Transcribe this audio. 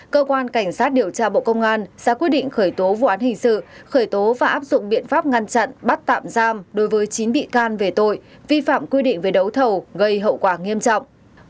cơ quan cảnh sát điều tra bộ công an ra quyết định khởi tố vụ án hình sự khởi tố và áp dụng biện pháp ngăn chặn bắt tạm giam đối với chín bị can về tội vi phạm quy định về đấu thầu gây hậu quả nghiêm trọng